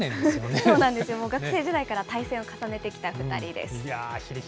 そうなんですよ、学生時代から対戦を重ねてきた２人です。